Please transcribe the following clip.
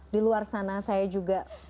di luar sana saya juga